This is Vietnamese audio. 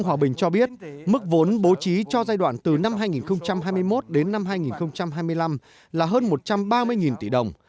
đại hội cho giai đoạn từ năm hai nghìn hai mươi một đến năm hai nghìn hai mươi năm là hơn một trăm ba mươi tỷ đồng